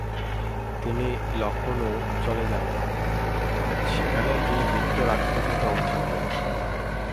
তিনি লখনউ চলে যান, সেখানে তিনি মৃত্যুর আগ-পর্যন্ত অবস্থান করেন।